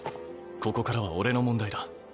ここからは俺の問題だ。